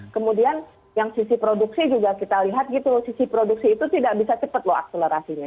kemudian yang sisi produksi juga kita lihat gitu sisi produksi itu tidak bisa cepat loh akselerasinya